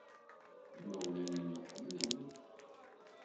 Imawlan-inu ḥemmlen-t.